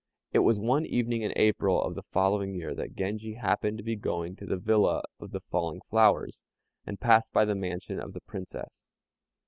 It was one evening in April of the following year that Genji happened to be going to the villa of "the falling flowers," and passed by the mansion of the Princess.